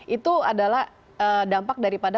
itu adalah dampak daripada